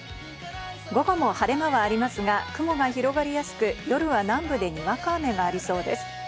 午後も晴れ間はありますが雲が広がりやすく、夜は南部でにわか雨がありそうです。